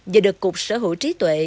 và được cục sở hữu trí tuệ